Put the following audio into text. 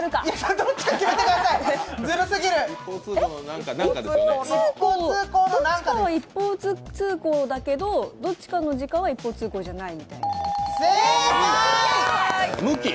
どっちかは一方通行だけど、どっちかの時間は一方通行じゃない。